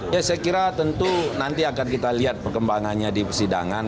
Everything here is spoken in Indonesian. ya saya kira tentu nanti akan kita lihat perkembangannya di persidangan